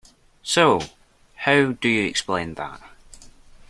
So, how do you explain that?